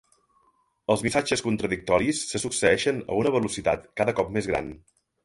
Els missatges contradictoris se succeeixen a una velocitat cada cop més gran.